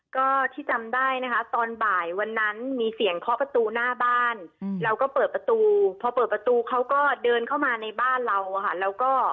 ก็ที่จำได้นะคะตอนบ่ายวันนั้นมีเสียงเคาะประตูหน้าบ้านเราก็เปิดประตูพอเปิดประตูเขาก็เดินเข้ามาในบ้านเราอะค่ะ